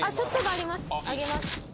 あげます。